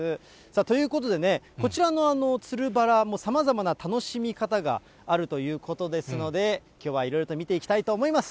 ということでね、こちらのつるバラ、さまざまな楽しみ方があるということですので、きょうはいろいろと見ていきたいと思います。